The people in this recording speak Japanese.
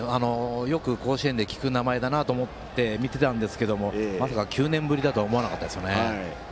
よく甲子園で聞く名前だなと思って見ていたんですけどまさか９年ぶりだとは思わなかったですね。